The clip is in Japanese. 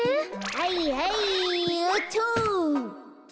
はいはいよっと！